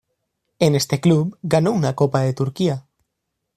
En este club ganó una Copa de Turquía.